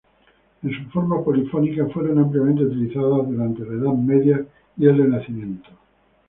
En su forma polifónica fueron ampliamente utilizadas durante la Edad Media y el Renacimiento.